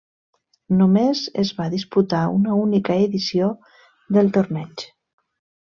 Només es va disputar una única edició del torneig.